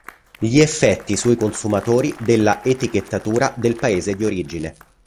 Gli effetti sui consumatori della etichettatura del paese di origine.